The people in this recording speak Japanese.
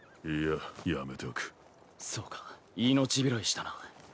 そうか命拾いしたな。